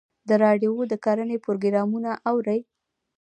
د راډیو د کرنې پروګرامونه اورئ؟